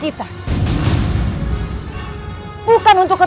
kualitas yang sukses